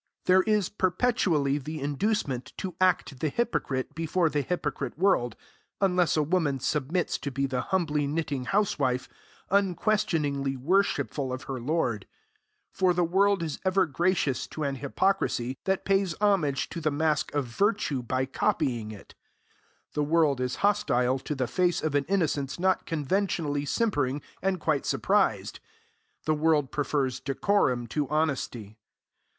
There is perpetually the inducement to act the hypocrite before the hypocrite world, unless a woman submits to be the humbly knitting housewife, unquestioningly worshipful of her lord; for the world is ever gracious to an hypocrisy that pays homage to the mask of virtue by copying it; the world is hostile to the face of an innocence not conventionally simpering and quite surprised; the world prefers decorum to honesty.